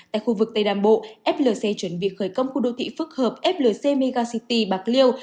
tại khu vực tây nam bộ flc chuẩn bị khởi công khu đô thị phức hợp flc mega city bạc liêu